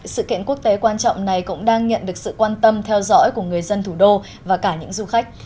sự kiện quốc tế quan trọng này cũng đang nhận được sự quan tâm theo dõi của người dân thủ đô và cả những du khách